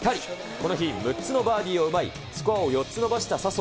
この日、６つのバーディーを奪い、スコアを４つ伸ばした笹生。